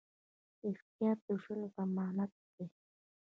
احتیاط د ژوند ضمانت دی.